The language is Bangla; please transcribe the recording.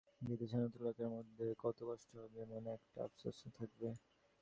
বিদেশে নতুন লোকের মধ্যে কত কষ্ট হবে, মনে একটা আপসোসও থাকবে।